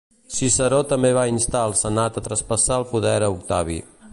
Ciceró també va instar al senat a traspassar el poder a Octavi.